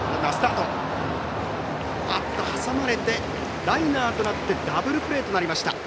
挟まれて、ライナーとなってダブルプレーとなりました。